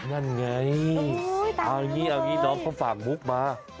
นั่นไงเอาอย่างนี้เอางี้น้องเขาฝากมุกมา